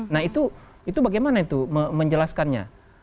nah itu bagaimana itu menjelaskannya